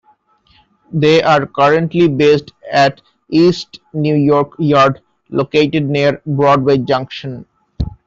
They are currently based at East New York Yard, located near Broadway Junction.